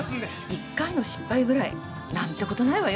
一回の失敗ぐらい何てことないわよ。